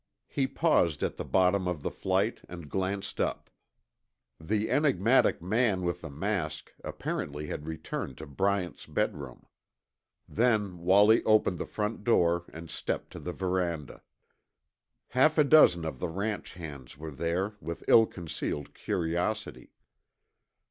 He paused at the bottom of the flight and glanced up. The enigmatic man with the mask apparently had returned to Bryant's bedroom. Then Wallie opened the front door and stepped to the verandah. Half a dozen of the ranch hands were there with ill concealed curiosity.